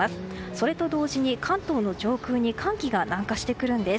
それと同時に関東の上空に寒気が南下してくるんです。